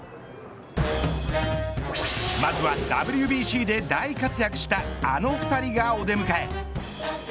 まずはＷＢＣで大活躍したあの２人がお出迎え。